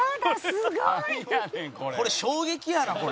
すごい！これ衝撃やなこれ。